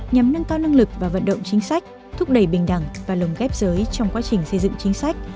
nhằm nâng cao năng lực và vận động chính sách thúc đẩy bình đẳng và lồng ghép giới trong quá trình xây dựng chính sách